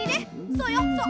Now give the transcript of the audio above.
そうよそう。